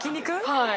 はい。